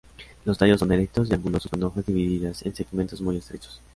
Los tallos son erectos y angulosos con hojas divididas en segmentos muy estrechos.